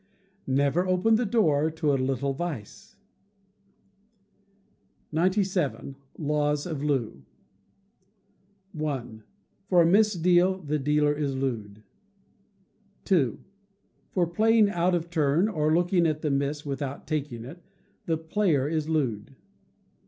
[NEVER OPEN THE DOOR TO A LITTLE VICE.] 97. Laws of Loo. i. For a misdeal the dealer is looed. ii. For playing out of turn or looking at the miss without taking it, the player is looed.